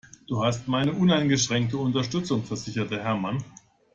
Du hast meine uneingeschränkte Unterstützung, versicherte Hermann.